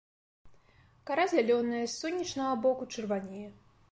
Кара зялёная, с сонечнага боку чырванее.